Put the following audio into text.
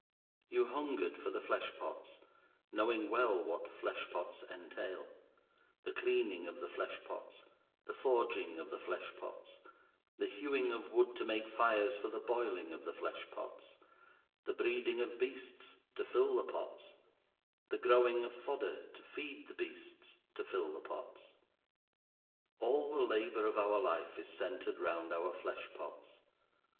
You hungered for the fleshpots, knowing well what flesh pots entail: the cleaning of the flesh pots, the forging of the flesh pots, the hewing of wood to make the fires for the boiling of the flesh pots, the breeding of beasts to fill the pots, the growing of fodder to feed the beasts to fill the pots. All the labour of our life is centred round our flesh pots.